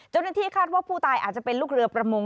เจ้าหน้าที่คาดว่าผู้ตายอาจจะเป็นลูกเรือประมง